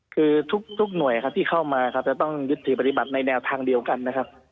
คือทุกหน่วยที่เข้ามาจะต้องยึดถือปฏิบัติในแนวทางเดียวกันนะครับ